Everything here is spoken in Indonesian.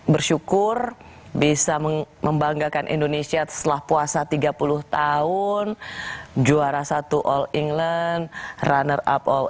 bersyukur bisa membanggakan indonesia setelah puasa tiga puluh tahun juara satu all england runner up all